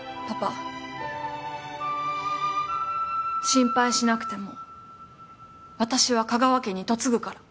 心配しなくても私は香川家に嫁ぐから。